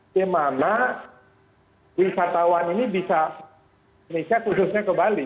bagaimana wisatawan ini bisa riset khususnya ke bali